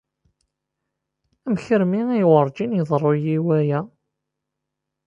Amek armi ay werǧin iḍerru-iyi waya?